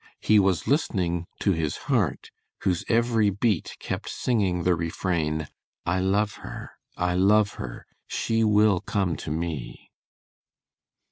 He was listening to his heart, whose every beat kept singing the refrain, "I love her, I love her; she will come to me!"